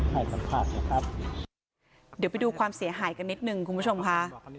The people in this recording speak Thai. ให้สัมภาษณ์นะครับเดี๋ยวไปดูความเสียหายกันนิดนึงคุณผู้ชมค่ะ